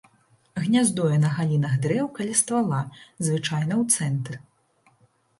Гняздуе на галінах дрэў каля ствала, звычайна ў цэнтр.